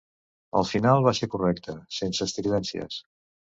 El final va ser correcte, sense estridències.